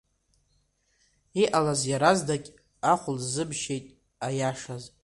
Иҟалаз иаразнак ахә лзымшьеит аиашаз.